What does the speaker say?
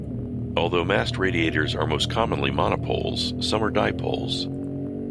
Although mast radiators are most commonly monopoles, some are dipoles.